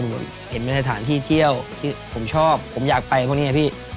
ผมเห็นเป็นสถานที่เที่ยวที่ผมชอบผมอยากไปพวกนี้ไงพี่